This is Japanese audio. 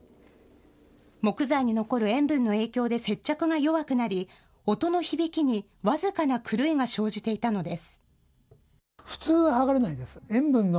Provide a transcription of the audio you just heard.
木材に残る塩分の影響で接着が弱くなり、音の響きに僅かな狂いが生じていたのです。